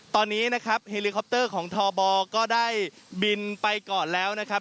ตอนนี้นะครับเฮลิคอปเตอร์ของทบก็ได้บินไปก่อนแล้วนะครับ